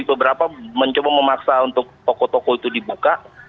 jadi beberapa mencoba memaksa untuk toko toko itu dibuka